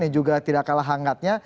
yang juga tidak kalah hangatnya